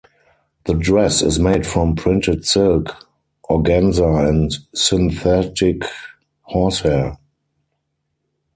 The dress is made from printed silk organza and synthetic horsehair.